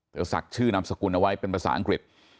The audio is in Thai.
ศักดิ์ชื่อนามสกุลเอาไว้เป็นภาษาอังกฤษ